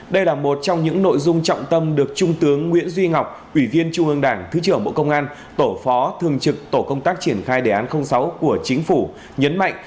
đây là một trong những nội dung trọng tâm được trung tướng nguyễn duy ngọc ủy viên trung ương đảng thứ trưởng bộ công an tổ phó thường trực tổ công tác triển khai đề án sáu của chính phủ nhấn mạnh